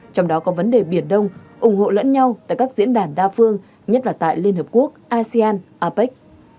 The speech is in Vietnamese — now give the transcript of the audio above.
trong đó có vấn đề biển đông ủng hộ lẫn nhau tại các diễn đàn đa phương nhất là tại liên hợp quốc asean apec